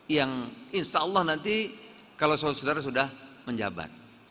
yang insyaallah nanti kalau saudara saudara sudah menjabat